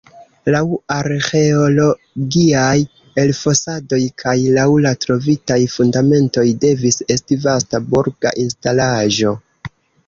Laŭ arĥeologiaj elfosadoj kaj laŭ la trovitaj fundamentoj devis estis vasta burga instalaĵo.